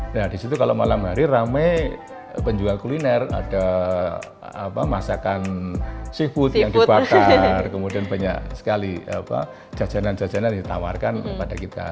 nah disitu kalau malam hari rame penjual kuliner ada masakan seafood yang dibakar kemudian banyak sekali jajanan jajanan ditawarkan kepada kita